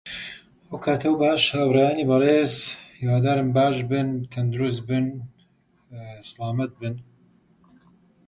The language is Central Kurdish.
بابم شیعرەکانی لە باخەڵ دەرێنا، گوتی: دەبێ هەر بتەوێ